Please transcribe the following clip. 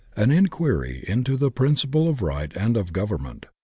OR, AN INQUIRY INTO THE PRINCIPLE OF RIGHT AND OF GOVERNMENT.